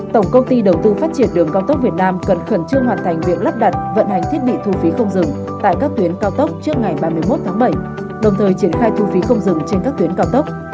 tổng công ty đầu tư phát triển đường cao tốc việt nam cần khẩn trương hoàn thành việc lắp đặt vận hành thiết bị thu phí không dừng tại các tuyến cao tốc trước ngày ba mươi một tháng bảy đồng thời triển khai thu phí không dừng trên các tuyến cao tốc